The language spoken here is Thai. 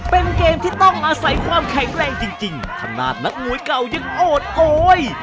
เป็นเกมที่ต้องอาศัยความแข็งแรงจริงจริงขนาดนักมวยเก่ายังโอดโอย